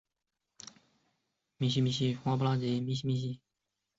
同时雅罗斯拉夫尔历来被认为是俄罗斯金环的主要组成地区之一。